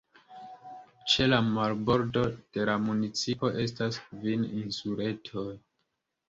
Ĉe la marbordo de la municipo estas kvin insuletoj.